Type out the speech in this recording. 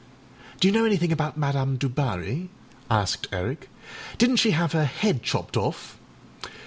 â âDo you know anything about Madame Du Barry?â asked Eric; âdidnât she have her head chopped off?